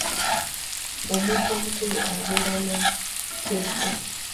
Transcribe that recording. Omuntu omukulu abeera na kyogo.